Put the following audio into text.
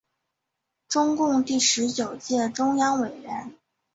中共第十九届中央委员。